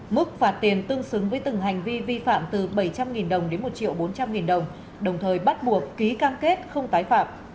mức phạt tiền tương xứng với từng hành vi vi phạm từ bảy trăm linh đồng đến một bốn trăm linh đồng đồng thời bắt buộc ký cam kết không tái phạm